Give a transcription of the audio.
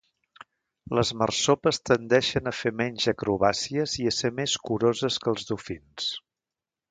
Les marsopes tendeixen a fer menys acrobàcies i a ser més curoses que els dofins.